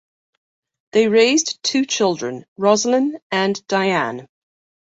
They raised two children, Roslyn and Diane.